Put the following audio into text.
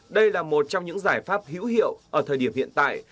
đây là một trong những giải pháp hữu hiệu ở thời điểm hiện tại